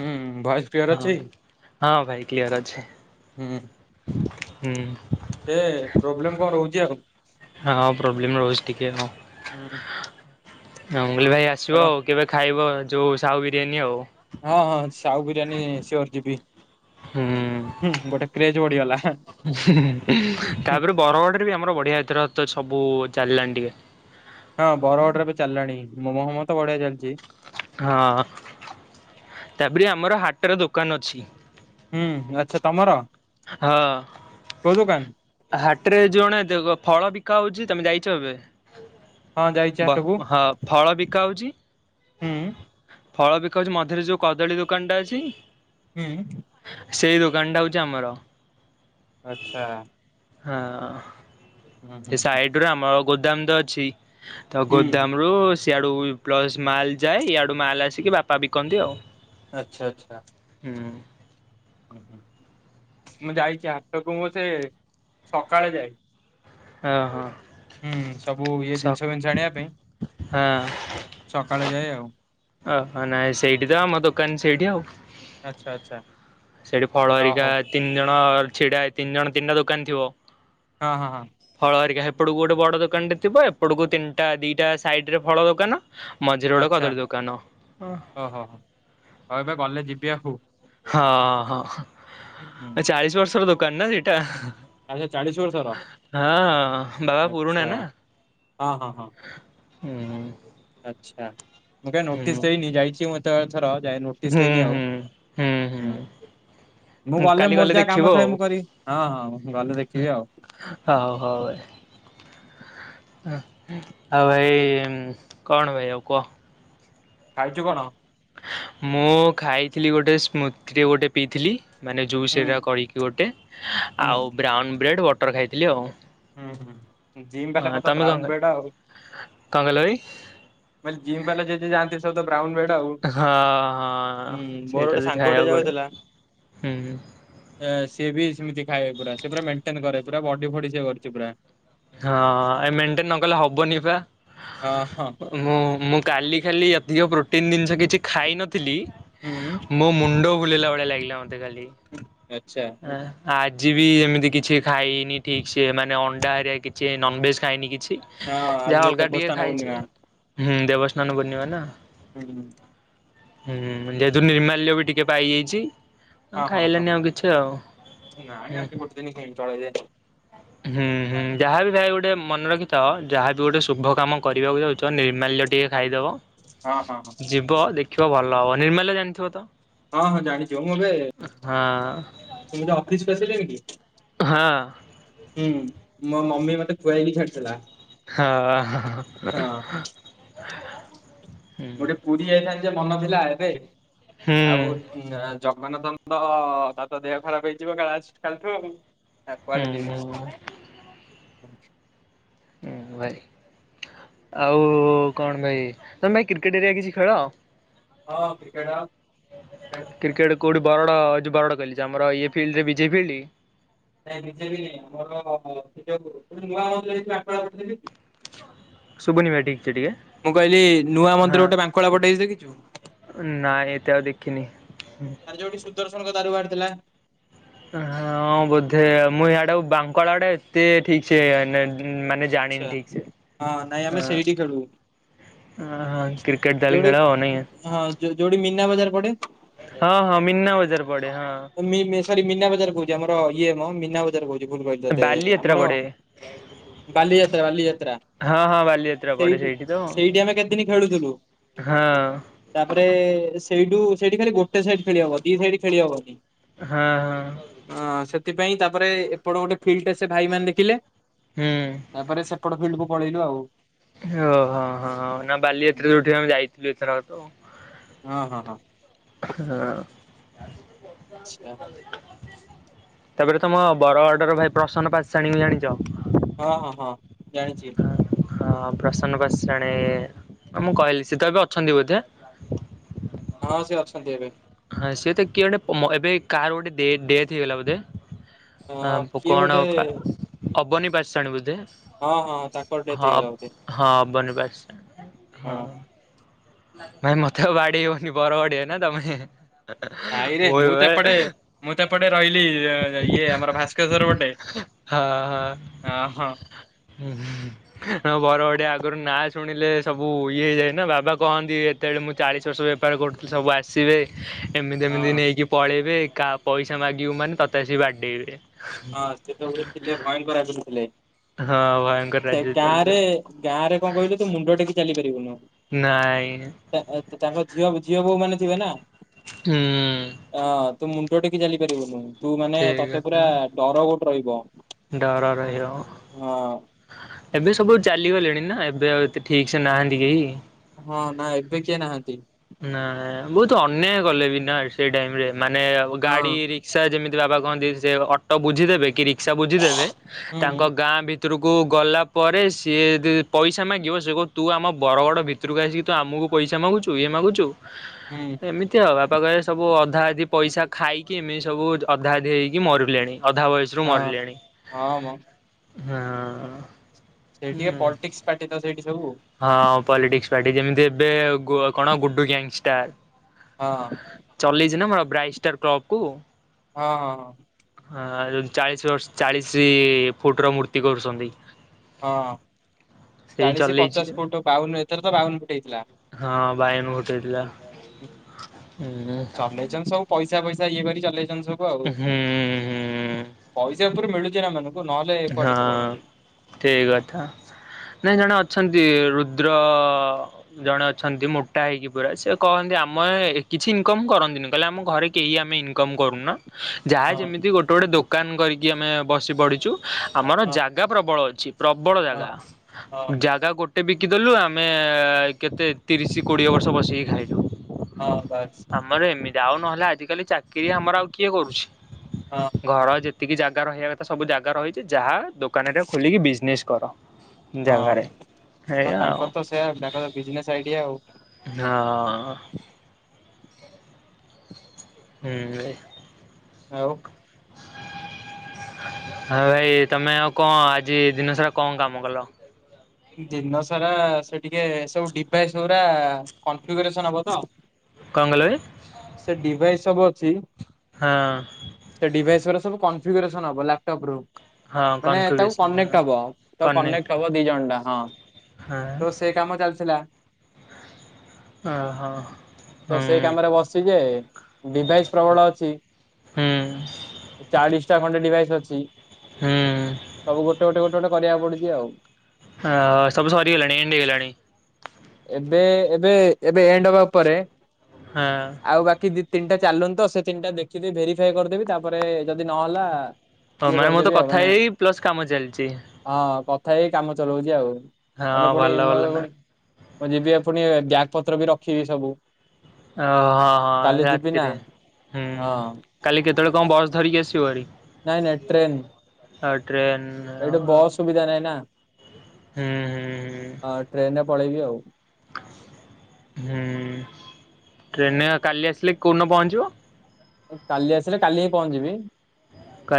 ହୁଁ ଭୟସ ହଁ କ୍ଲିୟର ଅଛି। ହଁ ଭାଇ କ୍ଲିୟର ଅଛି। ହୁଁ ହୁଁ ସେ ପ୍ରୋବ୍ଲେମ କଣ ରହୁଛି ଆଉ। ହଁ ପ୍ରୋବ୍ଲେମ୍ ରହୁଛି ଟିକେ ଆଉ। ହୁଁ। ଅଙ୍ଗଲି ଭାଇ ଆସିବ ଛାଡ ଆଉ କେବେ ଖାଇବ ଯେଉ ସାହୁ ବିରିୟାନୀ ଆଉ। ହଁ ହଁ ସାହୁ ବିରିୟାନୀ ସିଓର ଯିବି। ହୁଁ ହୁଁ ଗୋଟେ କ୍ରେଜ ବଢିଗଲା। ହୁଁ ତାପରେ ବରଗଡରେ ବି ଆମର ବଢିଆ ଏଇଥର ଥିଲା ତ ସବୁ- ଚାଲିଲାଣି ଟିକେ। ହଁ ବରଗଡରେ ବି ଚାଲିଲାଣି ମୋମୋ ଫୋମୋ ତ ବଢିଆ ଚାଲିଛି। ହଁ ତାପରେ ଆମର ହାଟର ଦୋକାନ ଅଛି। ହୁଁ ଆଚ୍ଛା ତମର? କୋଉ ଦୋକାନ ହଁ ହାଟ ରେ ଯୋଣେ ଦେଖ ଫଳ ବିକା ହଉଛି ତମେ ଯାଇଛ ଏବେ। ହଁ ଯାଇଛି ବା ହାଟକୁ ହଁ ଫଳ ବିକା ହଉଛି। ହୁଁ ଫଳ ବିକାହଉଛି ମଝିରେ ଯୋଉ କଦଳୀ ଦୋକାନଟା ଅଛି- ହୁଁ ସେଇ ଦୋକାନଟା ହଉଛି ଆମର। ଆଚଛା ହଁ ସେ ହୁଁ। ସାଇଡ ରୁ ଆମ ଗୋଦାମ ତ ଅଛି ତ ହୁଁ ଗୋଦାମ ରୁ- ସଆଡୁ ପ୍ଲସ ମାଲ ଯାଏ ଇଆଡୁ ମାଲ ଆସିକି ବାପା ବିକନ୍ତି ଆଉ। ଆଚ୍ଛା ଆଚ୍ଛା। ହୁଁ। ହୁଁ, ମୁଁ ଯାଇଛି ହାଟକୁ ମୁ ସେ ସକାଳେ ଯାଏ। ଓହୋ ହୁଁ ସବୁ ଇଏ ସ ଜିନିଷ ଫିନିଷ ଜାଣିବା ପାଇଁ ହଁ ସକାଳେ ଯାଏ ଆଉ। ଓହ ନାଇଁ ସେଇଠି ତ ଆମ ଦୋକାନ ସେଇଠି ଆଉ। ଆଚ୍ଛା ଆଚ୍ଛା ସେଠି ଫଳ ହ ହେରିକା ହଉ ତିନି ଜଣ ଛିଡା, ତିନି ଜଣ ତିନିଟା ଦୋକାନ ଥିବ। ହଁ ହଁ ହଁ। ହରିକା ହେପଟକୁ ଗୋଟେ ବଡ଼ ଦୋକାନଟେ ଥିବ। ଏପଟକୁ ତିନିଟା ଦିଇଟା ସାଇଡରେ ଫଳ ଦୋକାନ ମଝିରେ ଗୋଟେ ଆଚ୍ଛା କଦଳୀ ଦୋକାନ। ହଁ। ଓହୋ ହୋ। ହଉ ଏବେ ଗଲେ ଯିବି ଆଉ। ହଁ ହଁ ହୁଁ ଚାଳିଶ ବର୍ଷର ଦୋକାନ ନା ସେଇଟା। ଆଚ୍ଛା ଚାଳିଶ ବର୍ଷର ହଁ ହଁ ବାବା ପୁରୁଣା ଆଚ୍ଛା ନା। ହଁ ହଁ ହଁ। ହୁଁ। ଆଚ୍ଛା। ମୁଁ କେବେ ହୁଁ ନୋଟିସ ହୁଁ ଦେଇନି। ଯାଇଛି ମୁଁ ତ ଯାଏ ନୋଟିସ୍ ଦେଇନି ଆଉ। ହୁଁ ହୁଁ। ମୁଁ ଗଲେ କାଲି ମୋର ଯାହା କାମ ଦେଖିବୁ ଥାଏ ଆଉ। ମୁଁ କରିବି। ହଁ ହଁ ମୁଁ ଗଲେ ଦେଖିବି ଆଉ। ହଉ ହଉ। ହଉ ଭାଇ କଣ ଭାଇ ଆଉ କହ? ଖାଇଚୂ କଣ? ମୁଁ ଖାଇଥିଲି ଗୋଟେ ସ୍ମୁଦି ଟେ ଗୋଟେ ପିଇଥିଲି। ମାନେ ଜୁସ୍ ହୁଁ ଏଇଟା କରିକି ଗୋଟେ। ହୁଁ ଆଉ ବ୍ରାଉନ୍ ବ୍ରେଡ଼୍ ବଟର୍ ଖାଇଥିଲି ଆଉ। ହୁଁ ହୁଁ। ଜିମ୍ ବାଲା ହଁ କଥା ତମେ କଣ ବ୍ରାଉନ ଖାଇ ବ୍ରେଡ ଆଉ। କଣ କହିଲ ଭାଇ ମାନେ ଜିମ୍ ବାଲା ଯେ ଯେ ଯାଆନ୍ତି ସବୁ ତ ବ୍ରାଉନ ବ୍ରେଡ୍ ହଁ ହଁ ମୋର ସେଇଟା ଗୋଟେ ବି ସାଙ୍ଗଟେ ଖାଇବାକୁ ପଡେ। ଯାଉଥିଲା ହୁଁ ହୁଁ। ଏ ସିଏ ବି ସେମିତି ଖାଏ ପୁରା। ସେ ପୁରା ମେଣ୍ଟେନ କରେ। ପୁରା ବଡି ଫଡି ସିଏ କରିଚି ପୁରା। ହଁ ଏ ମେଣ୍ଟେନ ନକଲେ ହବନି ପା। ହଁ ହଁ ମୁଁ ମୁଁ କାଲି ଖାଲି ଅଧିକ ପ୍ରୋଟିନ ଜିନିଷ କିଛି ଖାଇ ନଥିଲି। ହୁଁ ମୋ ମୁଣ୍ଡ ବୁଲେଇଲା ଭଳିଆ ଲାଗିଲା ମତେ। [unintelligible] ଆଚ୍ଛା ଆ ହାର୍ଟ ଆଜି ବି ଏମିତି କିଛି ଖାଇନି ଠିକ୍ ସେ। ମାନେ ଅଣ୍ଡା ଏରିଆ କିଛି ନନ୍ଭେଜ୍ ଖାଇନି କିଛି। ହଁ ଆଜି ଯାହା ତ ଅଲଗା ଟିକିଏ ଦେବସ୍ନାନ ଖାଇଚି। ପୂର୍ଣ୍ଣିମା। ହୁଁ ଦେବସ୍ନାନ ପୂର୍ଣ୍ଣିମା ନା। ହୁଁ ହୁଁ ଯେହେତୁ ନିର୍ମାଲ୍ୟ ବି ଟିକେ ପାଇଯାଇଚି। ହଁ ଖାଇଲେନି ଆଉ କିଛି ଆଉ। ନାଇଁ ହୁଁ। ଆମେ ଗୋଟେ ଦିନ ତଳେ ହୁଁ ହୁଁ ଯାହା ବି ଯାହାବି ଗୋଟେ ମନେ ରଖିଥାଅ ଯାହା ବି ଗୋଟେ ଶୁଭ କାମ କରିବାକୁ ଯାଉଚ ନିର୍ମାଲ୍ୟ ଟିକେ ଖାଇଦବ। ହଁ ହଁ ହଁ ଯିବ ଦେଖିବ ଭଲ ହବ। ନିର୍ମାଲ୍ୟ ଜାଣିଥିବ ତ? ହଁ ହଁ ଜାଣିଚି। ମୁଁ ଏବେ ହଁ। ସେମିତି ଅଫିସକୁ ଆସିଲଣି କି? ହଁ। ହୁଁ ମୋ ମମି ମତେ ଖୁଆଇକି ଛାଡିଥିଲା। ହଁ। ହୁଁ ଗୋଟେ ପୁରୀ ଯାଇଥାନ୍ତି ଯେ ମନ ଥିଲା ଏବେ ହୁଁ ଆଉ ଜଗନ୍ନାଥଙ୍କ ତାର ତ ଦେହ ଖରାପ ହେଇଯିବ କା ଆଜିଠୁ କାଲିଠୁ। ହୁଁ। ଆଛା। ହଁ ଭାରି। ଆଉ କଣ ଭାଇ ତମେ ଭାଇ କ୍ରିକେଟ ଏରିଆ କିଛି ଖେଳ? ହଁ କ୍ରିକେଟ ଖେଳେ। କ୍ରିକେଟ କୋଉଠି ବରଗଡ ଏଜୁ ବରଗଡ କହିଲି ଆମର ଇଏ ଫିଲ୍ଡ ରେ ବିଜେପି ଫିଲ୍ଡ। ନାଇ ବିଜେପି ଆମର [unintelligible] ଶୁଭୁନି ଭାଇ ଟି ମୁଁ କଇଲି ନୂଆ ମନ୍ଦିର ଗୋଟେ ବାଙ୍କଳା ପଟେ ହେଇଛି ଦେଖିଛୁ? ନା ଏତେ ଆଉ ଦେଖିନି। ତାର [unintelligible] ହଁ ବୋଧେ ମୁଁ ୟାଡ଼େ ବାଙ୍କଳା ଆଡ଼େ ଏତେ ଠିକ୍ ସେ ନା ମାନେ ଆଚ୍ଛା ଜାଣିନି ଠିକ୍ ସେ ହଁ ନାଇଁ ଆମେ ଆ ସେଇଠି ଖେଳୁ ହଁ ହଁ କ୍ରିକେଟ ଦଳି ଯୋଉଠି ଖେଳ ହଉ ନାଇଁକି? ହଁ ଯୋଉଠି ମୀନା ବଜାର ପଡେ ହଁ ହଁ ମିନା ବଜାର। ପଡେ ହଁ। ମି ମି ସରି ମିନା ବଜାର କହୁଛି ଆମର ଇଏ ମ ମିନା ବଜାର କହୁଚି। ଭୁଲ୍ କହିଲି ତତେ ବାଲିଯାତ୍ରା ଆମର ପଡେ ବାଲିଯାତ୍ରା ବାଲିଯାତ୍ରା ହଁ ହଁ ବାଲିଯାତ୍ରା ପଡେ ସେଇଟି ସେଇଠି ତ ହଁ। ସେଇଟି ଆମେ କେତେଦିନ ଖେଳୁଥିଲୁ? ହଁ ତାପରେ ସେଇଠୁ ସେଇଠି ଖାଲି ଗୋଟେ ସାଇଡ ଖେଳି ହବ ଦି ସାଇଡ ଖେଳି ହବ ନି। ହଁ ହଁ। ସେଥିପାଇଁ ତାପରେ ଏପଟ ଗୋଟେ ଫିଲ୍ଡଟେ ସେ ଭାଇ ମାନେ ଦେଖିଲେ ହୁଁ। ତାପରେ ସେପଟ ଫିଲ୍ଡକୁ ପଳେଇଲୁ ଆଉ। ଓହୋ ହଁ ହ ନା ବାଲିଯାତ୍ରାରେ ଯୋଉଠିକି ଆମେ ଯାଇଥିଲୁ ଏଥରକ ତ ହଁ ହଁ ହଁ। ହଁ। ଆଛା। ତାପରେ ତମ ବରଗଡର ଭାଇ ପ୍ରସନ୍ନ ପାତଶାଣୀଙ୍କୁ ଜାଣିଛ। ହଁ ହଁ ହଁ ଜାଣିଛି। ହଁ ପ୍ରସନ୍ନ ପାତଶାଣୀ ମୁଁ କହିଲି ସେତ ଏବେ ଅଛନ୍ତି ବୋଧେ? [unintelligible] ହଁ ସିଏ ତ କିଏ ଗୋଟେ ଏବେ କାହାର ଗୋଟେ ଡେଟ୍ ହେଇଗଲା ବୋଧେ। ଅ ଆଁ କିଏ କଣ ଗୋଟେ ଅବନି ପାତଶାଣୀ ବୋଧେ। ହଁ ହଁ ତାଙ୍କର ଡେଥ୍ ହଁ ହେଇଗଲା ବୋଧେ ହଁ ଅବନି ପାତଶାଣି। ହଁ। ଭାଇ ମତେ ଆଉ ବାଡେଇବନି ବରବଡିଆ ନା ତମେ। ନାଇରେ ମୁଁ ତ ଏପଟେ ମୁଁ ତ ଏପଟେ ରହିଲି ଇଏ ଆମର ଭାସ୍କେଶ୍ଵର ପଟେ। ହଁ ହଁ। ହଁ ହଁ ବର ଆଗରୁ ନାଁ ଶୁଣିଲେ ସବୁ ଇଏ ହେଇଯାଏ ନା ବାବା କହନ୍ତି ଏତେବେଳେ ମୁଁ ଚାଳିଶ ବର୍ଷ ବେପାର କରୁଥିଲି ସବୁ ଆସିବେ ଏମିତି ଏମିତି ହଁ ନେଇକି ପଳେଇବେ। କାଆ ପଇସା ମାଗିବୁ ମାନେ ତତେ ସି ବାଡ଼େଇବେ। [unintelligible] ହଁ ଭୟଙ୍କର ସେ ରାଜ୍ୟ ଗାଁ ରେ ଚାଲିଥିଲା ଗାଁ ରେ କଣ କହିଲୁ ତୁ ମୁଣ୍ଡ ଟେକି ଚାଲିପାରିବୁନୁ। ନାଇଁ। ଝିଅ ଝିଅ ବୋହୁ ମାନେ ଥିବେ ନା। ହୁଁ। ହଁ ତୁ ମୁଣ୍ଡ ଟେକି ଚାଲିପାରିବୁନୁ ତୁ ମାନେ ସେଇ ତତେ କଥା ପୁରା ଡର ଗୋଟେ ରହିବ। ଡର ରହିିବ ହଁ ଏବେ ସବୁ ଚାଲିଗଲେଣି ନା ଏବେ ଆଉ ଏତେ ଠିକ୍ ସେ ନାହାନ୍ତି କେହି। ହଁ ନାଁ ଏବେ କିଏ ନାହାନ୍ତି। ନା ବହୁତ ଅନ୍ୟାୟ କଲେ ବି ନା ସେଇ ଟାଇମ୍ ରେ ମାନେ ହଁ ଗାଡି ରିକ୍ସା ଯେମିତି। ବାବା କହନ୍ତି ସେ ଅଟୋ ବୁଝିଦେବେ କି ରିକ୍ସା ବୁଝିଦେବେ ହୁଁ ତାଙ୍କ ଗାଁ ଭି ଭିତରକୁ ଗଲା ପରେ ସିଏ ଯଦି ପଇସା ମାଗିବ ସେ କ ତୁ ଆମ ବରଗଡ଼ ଭିତରକୁ ଆସିକି ତୁ ଆମକୁ କୁ ପଇସା ମାଗୁଛୁ ଇଏ ମାଗୁଛୁ ହୁଁ ଏମିତି ଆଉ ମ ପାଖରେ ସବୁ ଅଧା ଅଧି ପଇସା ଖାଇକି ଏମିତି ସବୁ ଅଧା ଅଧି ହେଇକି ମରୁଡିଲେଣି। ଅଧା ବୟସରୁ ହଁ। ମରିଲେଣି ହଁ ମ ହଁ। ସେଇ ଟିକେ ପଲିଟିକ୍ସ ପାଟି ତ ସେଇଟି। ହଁ ପଲିଟିକ୍ସ ପାର୍ଟି ଯେମିତି ଏବେ, କଣ ଗୁଡୁ ଗ୍ୟାଙ୍ଗଷ୍ଟାର। ହଁ ଚଲେଇ ଜିନା ମୋର ବ୍ରାଇଷ୍ଟର ଟକ୍ କୁ। ହଁ ହଁ ହଁ। ହଁ ଚାଳିଶି ବର୍ଷ, ଚଳିସି ଫୁଟ ର ମୂର୍ତ୍ତି କରୁଛନ୍ତି। ହଁ। ସେଇ ଚାଳିଶ, ଚଲେଇଛି ପଚାଶ ଫଟ, ବାଉନ ।ଏଥର ତ ବାଉନ ଫୁଟ ହେଇଥିଲା। ହଁ ବାଇଗଣ ଫୁଟେଇଥିଲା। ହୁଁ ଚଲେଇଛନ୍ ସବୁ ପଇସା, ଫଇସା ଇଏ କରି ଚଲେଇ ଛନ୍ତି ସବୁ ଆଉ। ହୁଁ ହୁଁ ପଇସା ଉପରେ ମିଳୁଛି ଏମାନଙ୍କୁ। ହଁ ଠିକ୍ କଥା। ନାଇଁ ଜଣ ଅ ଅଛନ୍ତି, ରୁଦ୍ର ଜଣେ ଅଛନ୍ତି, ମୋଟା ହେଇକି ପରା ।ସେ କହନ୍ତି ଆମେ କିଛି ଇନକମ୍ କରନ୍ତିନି। କହିଲେ ଆମ ଘରେ କେହି ଆମେ ଇନକମ୍ କରୁନା। ଜାହା ହଁ ଯେମିତି ଗୋଟେ, ଗୋଟେ ଦୋକାନ କରିକି ଆମେ ବସି ପଢିଛୁ। ଆମର ହଁ ଜାଗା ପ୍ରବଳ ଅଛି ।ପ୍ରବଳ ହଁ ଜାଗା, ହଁ। ଜାଗା ଗୋଟେ ବି ଆଙ୍କି ଦେଲୁ ଆମେ, କେତେ ତିରିଶ କୋଡ଼ିଏ ବର୍ଷ ବସିକି ଖାଇଲୁ। ହଁ ବାସ୍। ଯାଉ ନହେଲେ, ଆଜିକାଲି ଚାକିରି ଆମର ଆଉ, କିଏ କରୁଛି? ହଁ ଘର ଯେତେ ଯେତିକି ଜାଗା ରହିବା କଥା ସବୁ ଜାଗା ରହିଛି ।ଯାହା ଦୋକାନଟେ ଖୋଲିକି ବିଜନେସ୍ କର। ଜାଗାରେ। ହଁ ହେ ଆଉ। ତାଙ୍କର ତ ସେୟା ତାଙ୍କର ବିଜନେସ ଆଇଡିଆ ଆଉ। ହଁ। ହୁଁ ଏ। ଆଉ। ହଁ ଭାଇ, ତମେ ଆଉ କଁ ଆଜି ଦିନ ସାରା କାମ କଲ? ଦିନ ଷାରା, ସେ ଟିକେ ସବୁ ଡିଭାଇସ ଗୁରା କନଫ୍ୟୁଗୁରେନେସ, ହେବ ତ। କଣ କହିଲ ଭାଇ ସେ ଡିଭାଇସ୍ ସବୁ ଅଛି। ହଁ ସେ ଡିଭାଇସ୍ ରା ସବୁ କନଫ୍ୟୁଗୁରେସନ ହବ ଲାପଟପ ରୁ। ହଁ ମାନେ ତାକୁ କନଫିଗରେସନ୍ କନେକ୍ଟ ହଁ। ହବ ।ତାକୁ କନେକ୍ଟ ହବ ଦିଜଣ୍ଡା। ହଁ, ହଁ ତୋ ସେ କାମ ଚାଲିଥିଲା। ଅ ହ। ତ ସେଇ କାମରେ ବସିଚି ଯେ ଡିଭାଇସ୍ ପ୍ରବଳ ଅଛି। ହୁଁ ଚାଳିଶି ଚା ଖଣ୍ଡେ ଡିଭାଇସ୍ ଅଛି। ହୁଁ। ସବୁ ଗୋଟେ, ଗୋଟେ, ଗୋଟେ, ଗୋଟେ କରିବାକୁ ପଡୁଛି ଆଉ। ଆ ସବୁ ସାରି ଗଲାଣି ।ଏଣ୍ଡ୍ ହେଇଗଲାଣି। ଏବେ ଏବେ ଏବେ ଏଣ୍ଡ ହବା ଉପରେ। ଆଉ ବାକି ଦି ତିନିଟା ଚାଲନ୍ତ ସେ ତିନିଟା ଦେଖି ଦେବୀ ଭେରିଫାଇ କରିଦେବି। ତାପରେ ଯଦି ନହେଲା ହଁ ଇଏ ମାନେ ମୁଁ ତ କରିଦେବି ଆଉ କଥା ମାନେ, ହେଇ ପ୍ଲସ କାମ ଚାଲିଛି ହଁ ପ ଥାଇ କାମ ଚଲଉଛି ଆଉ ।ନହେଲେ ହଁ ପୁଣି ଭଲ ମୁଁ ଭଲ ଏବେ ନା ପୁଣି, ମୁଁ ଯିବି ବ୍ୟାକ ପତ୍ର ବି ରଖିବି ସବୁ। ଓହଁ ହଁ କାଲି ଯିବି ନା। ରାତିରେ, ହୁଁ ହଁ କାଲି କେତେ ତେବେଳେ କଣ ବସ ଧରିକି ଆସିବ ହାରି? ନାଇଁ ନାଇଁ ଟ୍ରେନ୍। ଟ୍ରେନ ଏଇଠୁ ହୁଁ ବସ୍ ସୁବିଧା ନହିଁ ନା। ହୁଁ ହଁ ଟ୍ରେନରେ ପଳେଇବି ଆଉ। ଟା ହୁଁ ।ଟ୍ରେନୟ କାଲି ଆସିଲି କୋଉ ଦିନ ପହଞ୍ଚିବ? କାଲି ଆସିଲେ କାଲି ହିଁ ପହଞ୍ଚଯିବି।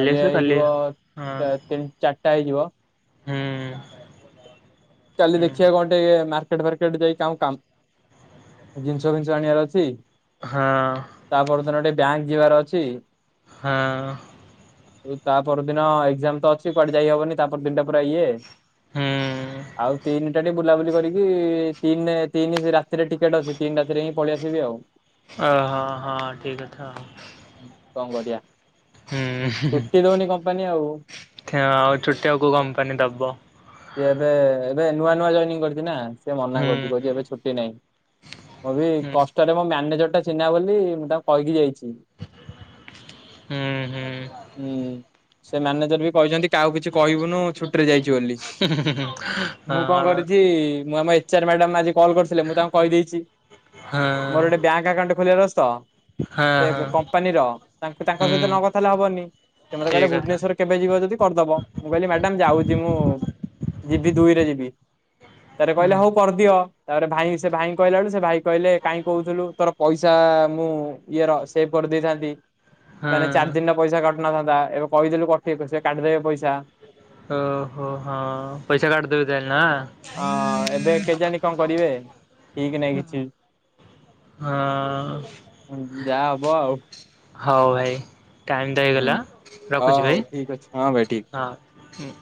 କାଲି ହେଇଯିବ ତିନି, ଚାରିଟା ହେଇଯିବ। ହୁଁ। କାଲି ହୁଁ ଦେଖିବା କଣ ଟିକେ ମାର ମାର୍କେଟ ଫାର୍କେଟ ଯାଇ କାଉଁ କାମ ଜିନିଷ ଫିନିଶ ଆଣିବାର ଅଛି। ହଁ ତାପର ଦିନ ଟିକେ ବ୍ୟାଙ୍କ ଯିବାର ଅଛି। ହଁ। ଆଉ ତା ପର ଦିନ ଏକ୍ଜାମ ତ ଅଛି କୁଆଡେ ଯାଇ ହବନି ତା ପର ଦିନ ଟା ପୁରା ଇଏ। ହୁଁ ଆଉ ତିନିଟା ଟିକେ ବୁଲାବୁଲି କରିକି ତିନ ରେ ତିନି ରାତିରେ ଟିକେଟ ଅଛି ତିନି ରାତିରେ ହିଁ ପଳେଇ ଆସିବି ଆଉ। ଓ ହଁ ହଁ ଠିକ କଥା ଆଉ। କଣ କରିବା ଛୁଟି ଦଉନି କମ୍ପାନୀ ଆଉ। ଥେ ଅଁ ଛୁଟି ଆଉ କୋଉ କମ୍ପାନୀ ଦବ? ସେ ଏବେ ଏବେ ନୂଆ ନୂଆ ଜଏନିଙ୍ଗ କରିଛି ନା। ସେ ମନା ହୁଁ କରୁଛି କହୁଛି ଏବେ ଛୁଟି ନାହିଁ ମୁଁ ବି ହୁଁ କଷ୍ଟରେ ମୋ ମ୍ୟାନେଜର ଚିହ୍ନା ବୋଲି ମୁଁ ତାକୁ କହିକି ଯାଇଛି। ହୁଁ ହୁଁ। ସେ ମ୍ୟାନେଜର ବି କହିଛନ୍ତି କାହାକୁ କିଛି କହିବୁନୁ ଛୁଟିରେ ଯାଇଛୁ ବୋଲି। ମୁଁ କଣ ହଁ କରିଛି ମୁଁ ଆମ ଏଚ ଆର ମ୍ୟାଡାମ ଆଜି କଲ୍ କରିଥିଲେ ମୁଁ ତାଙ୍କୁ କହିଦେଇଛି। ହଁ ମୋର ଗୋଟେ ବ୍ୟାଙ୍କ ଆକାଉଣ୍ଟ ଖୋଲିବାର ଅ ହଁ ସେ ହଁ ବ କମ୍ପାନୀର ତାଙ୍କୁ ତାଙ୍କ ହୁଁ ସହିତ ନ କଥା ହେଲେ ହବନି। ସେ ମତେ କହିଲେ ଠିକ କଥା ଭୁବନେଶ୍ଵର କେବେ ଯିବ ଯଦି କରିଦବ ମୁଁ କହିଲି ମ୍ୟାଡାମ ଯାଉଛି ମୁଁ। ଯିବି ଦୁଇରେ ଯିବି। ତାପରେ ହୁଁ କହିଲେ ହଉ କରିଦିଅ ତାପରେ ଭାଇ ସେ ଭାଇଙ୍କୁ କହିଲା ବେଳୁ ସେ ଭାଇ କହିଲେ କାହିଁ କହୁଥିଲୁ ତୋର ପଇସା ଆ ମୁଁ ଇଏ ର ସେବ କରିଦେଇଥାନ୍ତି ମାନେ ଚାରି ଦିନର ପଇସା କା ନଥାନ୍ତା ଏବେ କହିଦେଲୁ କଟେଇ ପଛେ କାଟିିଦେବେ ପଇସା। ଓହୋ ହଁ। ପଇସା କାଟିଦେବି ତାହେଲେ ନା ଅ ଏବେ କେଜାଣି କଣ କରିବେ? ଠିକ ନାହିଁ କିଛି। ହଁ ଉଁ ଯାହା ହବ ଆଉ। ହଉ ଭାଇ। ଟାଇମ ଟା ହୁଁ ହେଇଗଲା ହ ରଖୁଛି ହଉ ଭାଇ ଠିକ ଅଛି ହଁ ଭାଇ ଠିକ ହଁ ହୁଁ।